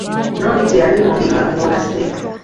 N'oli teyali mubi, ng'amuwola ssente.